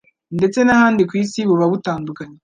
ndetse n'ahandi ku Isi buba butandukanye